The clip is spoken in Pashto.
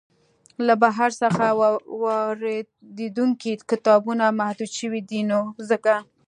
له بهر څخه واریدیدونکي کتابونه محدود شوي دی نو ځکه.